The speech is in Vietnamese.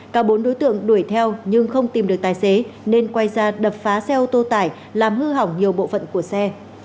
cả bốn đối tượng đuổi theo nhưng không tìm được tài xế nên quay ra đập phá xe ô tô tải làm hư hỏng nhiều bộ phận của xe